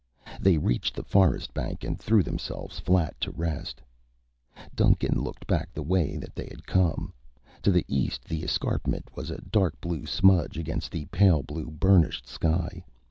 They reached the forest bank and threw themselves flat to rest. Duncan looked back the way that they had come. To the east, the escarpment was a dark blue smudge against the pale blue burnished sky.